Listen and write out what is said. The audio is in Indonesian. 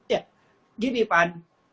ya gini pan